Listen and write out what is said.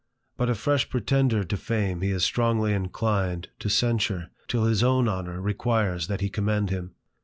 But a fresh pretender to fame he is strongly inclined to censure, till his own honour requires that he commend him.